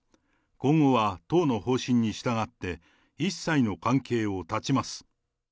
今後は党の方針に従って、一切の関係を断ちます。